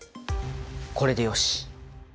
これでよし！